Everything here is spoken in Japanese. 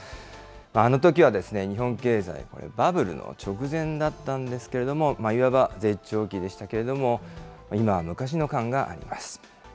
あのときは日本経済、バブルの直前だったんですけれども、いわば絶頂期でしたけれども、今は昔の感があります。